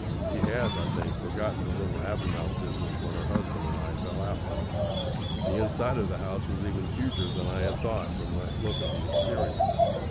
She has, I think, forgotten the little Avonmouth business, when her husband and I fell out. The inside of the house was even huger than I had thought from the look of the exterior.